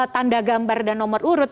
tanda gambar dan nomor urut